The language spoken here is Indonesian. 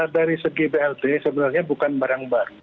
dari segi blt sebenarnya bukan barang baru